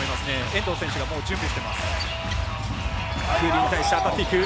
遠藤選手が準備をしています。